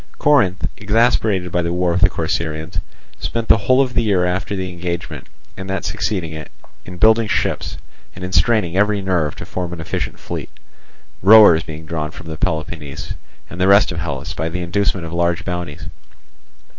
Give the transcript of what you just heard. Corinth, exasperated by the war with the Corcyraeans, spent the whole of the year after the engagement and that succeeding it in building ships, and in straining every nerve to form an efficient fleet; rowers being drawn from Peloponnese and the rest of Hellas by the inducement of large bounties.